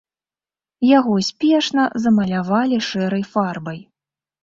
Яго спешна замалявалі шэрай фарбай.